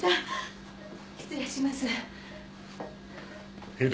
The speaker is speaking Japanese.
失礼します。